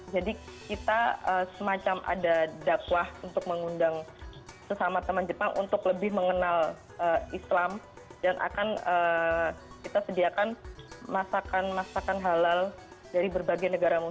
jadi kita semacam ada dakwah untuk mengundang sesama teman jepang untuk lebih mengenal islam dan akan kita sediakan masakan masakan halal dari berbagai negara negara